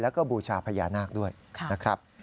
แล้วก็บูชาพญานาคด้วยนะครับ